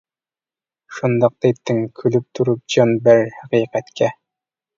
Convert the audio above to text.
شۇنداق دەيتتىڭ: كۈلۈپ تۇرۇپ جان بەر ھەقىقەتكە.